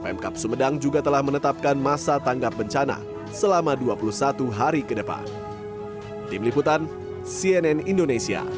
pemkap sumedang juga telah menetapkan masa tanggap bencana selama dua puluh satu hari ke depan